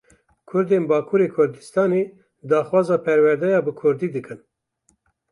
Kurdên Bakurê Kurdistanê daxwaza perwerdeya bi kurdî dikin.